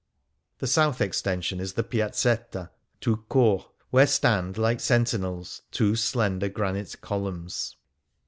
The south extension is " the Piazzetta,^' toid cmirt, where stand, like sentinels, two slender granite columns.